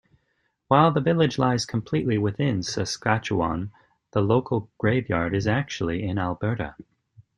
While the village lies completely within Saskatchewan, the local graveyard is actually in Alberta.